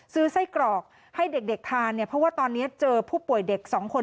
ซื้อไส้กรอกให้เด็กทานเนี่ยเพราะว่าตอนนี้เจอผู้ป่วยเด็ก๒คน